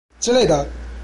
之類的！